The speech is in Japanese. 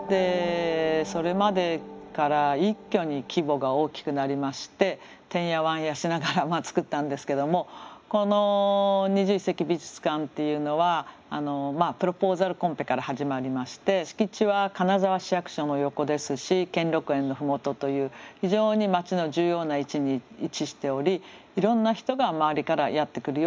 それまでから一挙に規模が大きくなりましててんやわんやしながら作ったんですけどもこの２１世紀美術館っていうのはプロポーザルコンペから始まりまして敷地は金沢市役所の横ですし兼六園の麓という非常に街の重要な位置に位置しておりいろんな人が周りからやって来るような場所でした。